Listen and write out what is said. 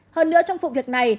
hơn nữa trong phụ việc này